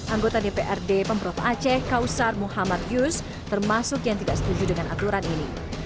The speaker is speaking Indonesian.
anggota dprd pemprov aceh kausar muhammad yus termasuk yang tidak setuju dengan aturan ini